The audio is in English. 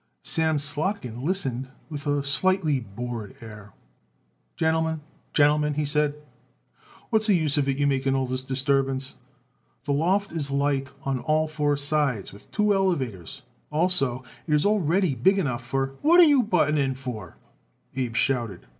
Sam Slotkin listened with a slightly bored air. "Gentlemen, gentlemen," he said, "what's the use of it you make all this disturbance? The loft is light on all four sides, with two elevators. Also, it is already big enough for " "What are you butting in for?" Abe shouted.